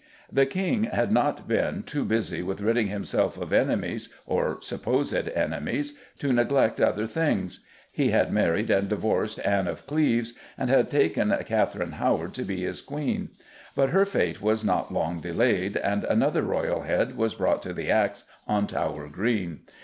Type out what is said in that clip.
The King had not been too busy with ridding himself of enemies, or supposed enemies, to neglect other things. He had married and divorced Anne of Cleves, and had taken Katherine Howard to be his Queen. But her fate was not long delayed, and another royal head was brought to the axe on Tower Green.